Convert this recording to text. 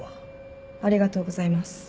ありがとうございます。